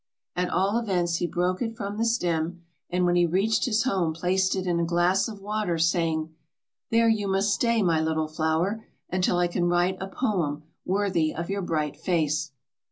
At all events, he broke it from the stem, and when he reached his home placed it in a glass of water, saying, "There you must stay, my little flower, until I can write a poem worthy of your bright face."